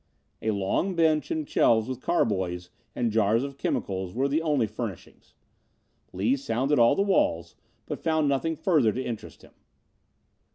A long bench and shelves with carboys and jars of chemicals were the only furnishings. Lees sounded all the walls, but found nothing further to interest him.